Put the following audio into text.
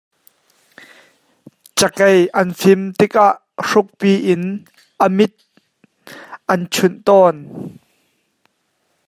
Cakei an fim tikah hrukpi in a mit an chunh tawn.